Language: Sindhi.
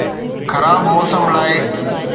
خراب موسم لاء